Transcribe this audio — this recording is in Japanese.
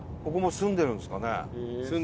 住んでるんですかね？